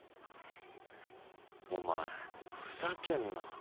お前ふざけんな。